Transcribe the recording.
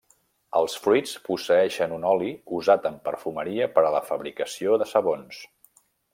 Els fruits posseeixen un oli usat en perfumeria per a la fabricació de sabons.